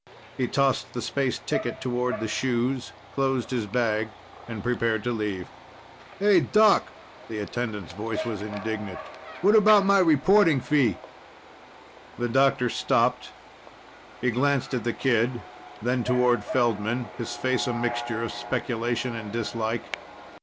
He tossed the space ticket toward the shoes, closed his bag, and prepared to leave. "Hey, doc!" The attendant's voice was indignant. "Hey, what about my reporting fee?" The doctor stopped. He glanced at the kid, then toward Feldman, his face a mixture of speculation and dislike.